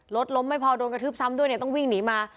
รถล้มไม่พอโดนกระทืบซ้ำด้วยเนี่ยต้องวิ่งหนีมา